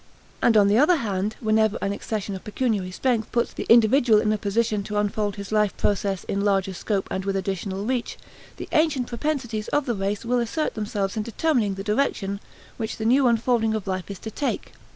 And on the other hand, whenever an accession of pecuniary strength puts the individual in a position to unfold his life process in larger scope and with additional reach, the ancient propensities of the race will assert themselves in determining the direction which the new unfolding of life is to take.